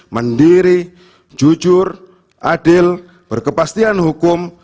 mandiri jujur adil berkepastian hukum